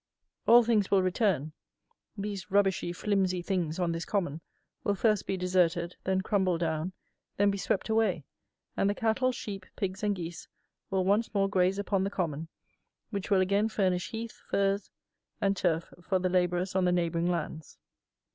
All things will return; these rubbishy flimsy things, on this common, will first be deserted, then crumble down, then be swept away, and the cattle, sheep, pigs and geese will once more graze upon the common, which will again furnish heath, furze and turf for the labourers on the neighbouring lands.